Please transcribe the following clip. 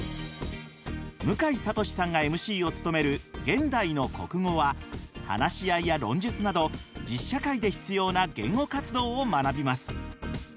向井慧さんがＭＣを務める「現代の国語」は話し合いや論述など実社会で必要な言語活動を学びます。